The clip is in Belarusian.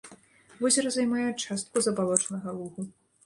Возера займае частку забалочанага лугу.